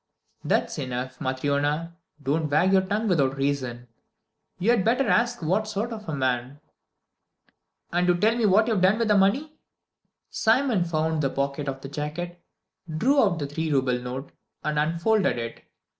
"That's enough, Matryona. Don't wag your tongue without reason. You had better ask what sort of man " "And you tell me what you've done with the money?" Simon found the pocket of the jacket, drew out the three rouble note, and unfolded it.